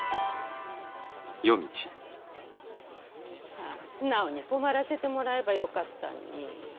はぁ素直に泊まらせてもらえばよかったんに。